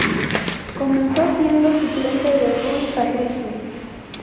Comenzó siendo suplente de Rui Patricio.